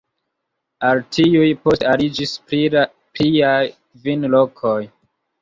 Al tiuj poste aliĝis pliaj kvin lokoj.